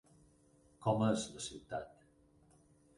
Com és la ciutat?